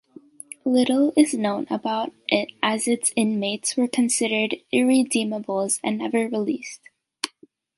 Little is known about it as its inmates were considered 'irredeemables' and never released.